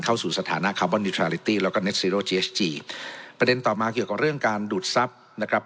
เข้าสู่สถานะแล้วก็ประเด็นต่อมาเกี่ยวกับเรื่องการดูดซับนะครับ